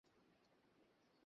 শুভ জন্মদিন, প্রিয় নীহারিকা।